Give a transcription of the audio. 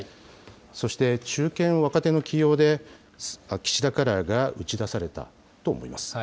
そして、中堅・若手の起用で、岸田カラーが打ち出されたと思います。